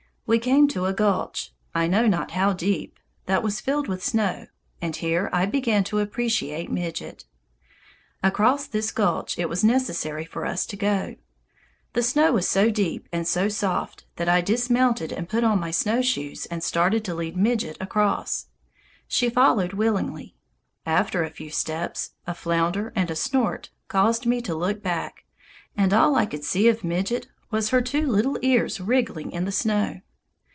We came to a gulch, I know not how deep, that was filled with snow, and here I began to appreciate Midget. Across this gulch it was necessary for us to go. The snow was so deep and so soft that I dismounted and put on my snowshoes and started to lead Midget across. She followed willingly. After a few steps, a flounder and a snort caused me to look back, and all I could see of Midget was her two little ears wriggling in the snow.